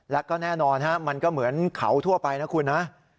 แล้วก็แน่นอนมันก็เหมือนเขาทั่วไปนะคุณนะ